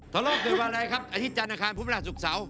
ทารโลเกิดวันอะไรครับอาทิตย์จานอาคารพุทธเวลาศุกร์เสาร์